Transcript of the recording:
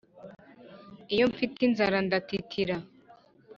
Iyo mfite inzara ndatitira